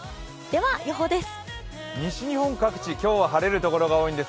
では、予報です。